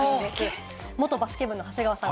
元バスケ部の長谷川さん。